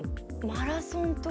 マラソンとか。